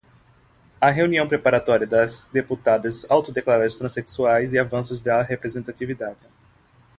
A reunião preparatória das deputadas autodeclaradas transexuais e avanços da representatividade